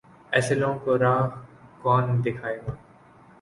ایسے لوگوں کو راہ کون دکھائے گا؟